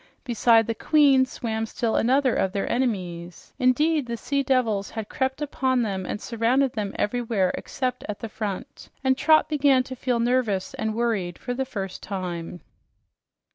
Beside the queen swam still another of their enemies. Indeed, the sea devils had crept upon them and surrounded them everywhere except at the front, and Trot began to feel nervous and worried for the first time.